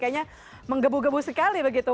kayaknya menggebu gebu sekali begitu